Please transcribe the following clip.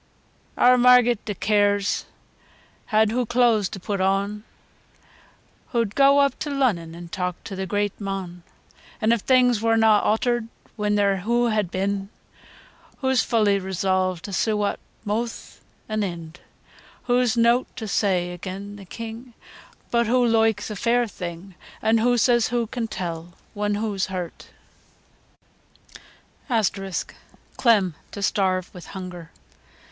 VII. Eawr Marget declares had hoo cloo'as to put on, Hoo'd goo up to Lunnon an' talk to th' greet mon; An' if things were na awtered when there hoo had been, Hoo's fully resolved t' sew up meawth an' eend; Hoo's neawt to say again t' king, But hoo loikes a fair thing, An' hoo says hoo can tell when hoo's hurt. [Footnote 5: "Clem," to starve with hunger.